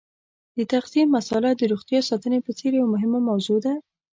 د تغذیې مساله د روغتیا ساتنې په څېر یوه مهمه موضوع ده.